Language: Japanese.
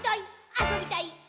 「あそびたいっ！！」